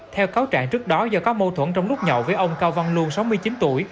theo cáo trạng trước đó do có mâu thuẫn trong lúc nhậu với ông cao văn luân sáu mươi chín tuổi